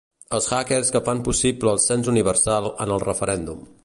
Els ‘hackers’ que van fer possible el cens universal en el referèndum.